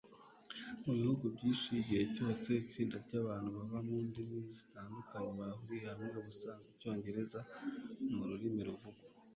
Mu bihugu byinshi igihe cyose itsinda ryabantu bava mundimi zitandukanye bahuriye hamwe ubusanzwe icyongereza ni ururimi ruvugwa